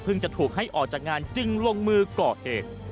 จะถูกให้ออกจากงานจึงลงมือก่อเหตุ